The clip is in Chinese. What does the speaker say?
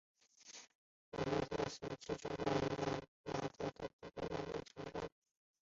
沃尔瑟姆斯托中心站是维多利亚线北端的端点车站。